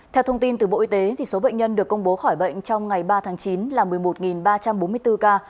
theo thông tin từ bộ y tế số bệnh nhân được công bố khỏi bệnh trong ngày ba tháng chín là một mươi một ba trăm bốn mươi bốn ca